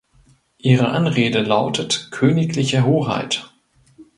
Ihre Anrede lautet "Königliche Hoheit".